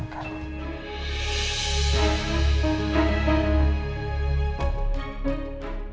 tidak ada yang bisa diberi kemampuan